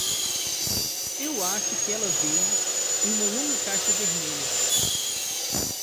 Eu acho que ela veio em uma longa caixa vermelha.